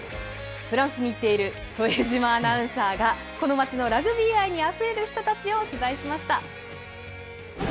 フランスに行っている副島アナウンサーが、この街のラグビー愛にあふれる人たちを取材しました。